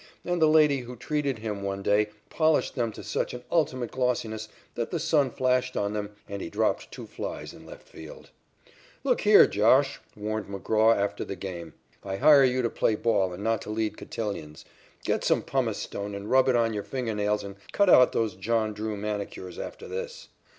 And the lady who treated him one day polished them to such an ultimate glossiness that the sun flashed on them, and he dropped two flies in left field. "Look here, Josh," warned McGraw after the game, "I hire you to play ball and not to lead cotillions. Get some pumice stone and rub it on your finger nails and cut out those John Drew manicures after this."